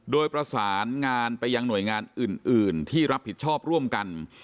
โดยประสานงานไปยังหน่วยงานอื่นที่รับผิดชอบร่วมกัน